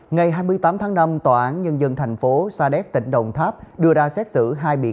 ngày hai mươi tám tháng năm tòa án nhân dân thành phố sa đéc tỉnh đồng tháp đưa ra xét xử hai bị